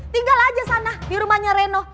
tinggal aja sana di rumahnya reno